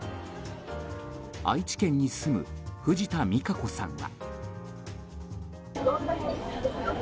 愛知県に住む藤田美佳子さんは。